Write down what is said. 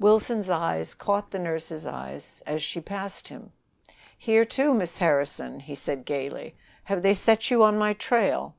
Wilson's eyes caught the nurse's eyes as she passed him. "Here, too, Miss Harrison!" he said gayly. "Have they set you on my trail?"